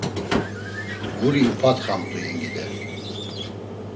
Guri upatxalamt̆u yengide.